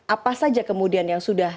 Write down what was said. apa saja kemudian yang sudah